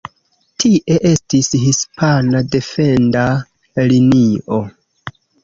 Tie estis hispana defenda linio.